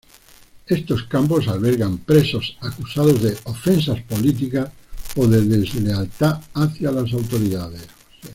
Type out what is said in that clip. Estos campos albergan presos acusados de "ofensas políticas" o de "deslealtad" hacia las autoridades.